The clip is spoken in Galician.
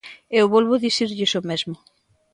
Eu volvo dicirlles o mesmo.